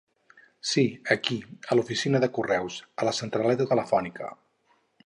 Sí, aquí; a l'oficina de correus, a la centraleta telefònica.